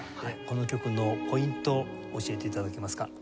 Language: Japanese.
この曲のポイント教えて頂けますか？